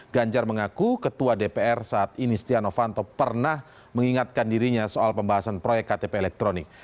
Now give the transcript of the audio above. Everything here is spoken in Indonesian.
ganjar mengaku ketua dpr saat ini setia novanto pernah mengingatkan dirinya soal pembahasan proyek ktp elektronik